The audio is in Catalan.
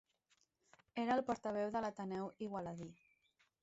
Era el portaveu de l'Ateneu Igualadí.